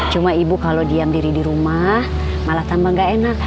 cuma ibu kalau diam diri di rumah malah tambah gak enak